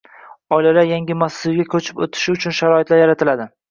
oilalar yangi massivlarga ko‘chib o‘tishi uchun sharoit yaratiladi.